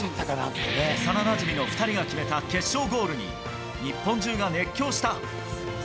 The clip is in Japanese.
幼なじみの２人が決めた決勝ゴールに、日本中が熱狂した。